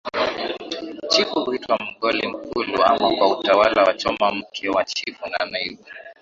Chifu huitwa Mgoli Mkulu ama kwa utawala wa Choma mke wa Chifu na Naibu